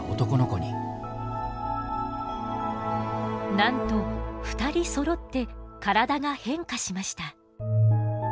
なんと２人そろって体が変化しました。